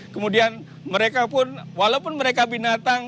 kemudian mereka pun walaupun mereka binatang